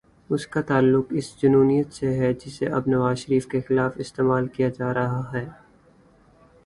اس کا تعلق اس جنونیت سے ہے، جسے اب نواز شریف کے خلاف استعمال کیا جا رہا ہے۔